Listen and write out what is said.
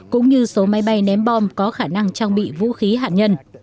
cũng như số máy bay ném bom có khả năng trang bị vũ khí hạt nhân